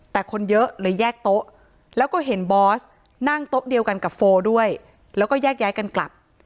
แต่คนเยอะเลยแยกโต๊ะแล้วก็เห็นบอสนั่งโต๊ะเดียวกันกับโฟด้วยแล้วก็แยกย้ายกันกลับ